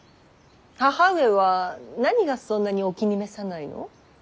義母上は何がそんなにお気に召さないの？